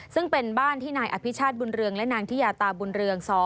ซึ่งเป็นบ้านที่นายอภิชาติบุญเรืองและนางทิยาตาบุญเรือง๒